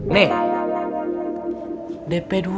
nasi rames doang